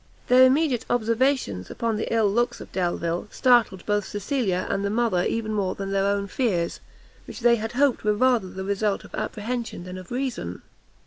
Their immediate observations upon the ill looks of Delvile, startled both Cecilia and the mother even more than their own fears, which they had hoped were rather the result of apprehension than of reason.